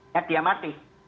ya dia mati